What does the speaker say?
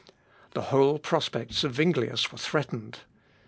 The whole prospects of Zuinglius were threatened.